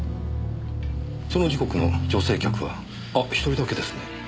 その時刻の女性客はあっ１人だけですね。